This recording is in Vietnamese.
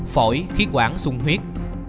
phổi khí quản sung huyết